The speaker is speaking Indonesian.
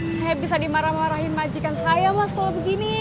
saya bisa dimarah marahin majikan saya mas kalau begini